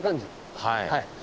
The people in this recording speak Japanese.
はい。